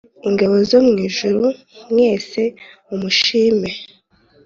Ingabo zo mu ijuru mwese mumushime